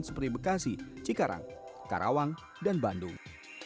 seperti bekasi cikarang karawang dan bandung